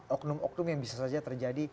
oknum oknum yang bisa saja terjadi